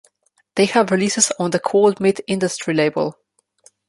They have releases on the Cold Meat Industry label.